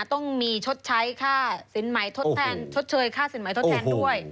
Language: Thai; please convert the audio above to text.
ต้องมีชดใช้ค่าสินใหม่ทดแทนชดเชยค่าสินใหม่ทดแทนด้วย